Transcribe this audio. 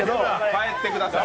帰ってください。